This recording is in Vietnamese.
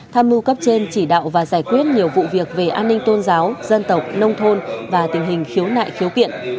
tham mưu cấp trên chỉ đạo và giải quyết nhiều vụ việc về an ninh tôn giáo dân tộc nông thôn và tình hình khiếu nại khiếu kiện